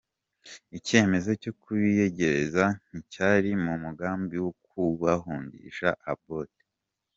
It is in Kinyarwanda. Icyemezo cyo kubiyegereza nticyari mu mugambi wo kubahungisha Obote.